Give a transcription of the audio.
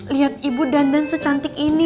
lihat ibu dandan secantik ini